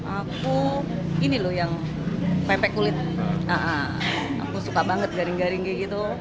aku ini loh yang pepek kulit aku suka banget garing garing kayak gitu